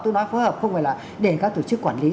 tôi nói phối hợp không phải là để các tổ chức quản lý